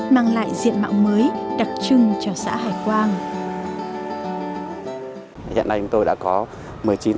mang lại diện mạo mới đặc trưng cho xã hải quang